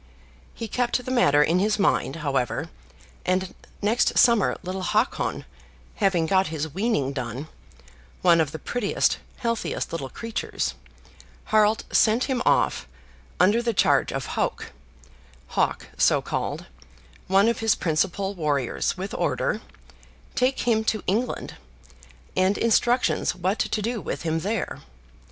He kept the matter in his mind, however, and next summer little Hakon, having got his weaning done, one of the prettiest, healthiest little creatures, Harald sent him off, under charge of "Hauk" (Hawk so called), one of his Principal, warriors, with order, "Take him to England," and instructions what to do with him there.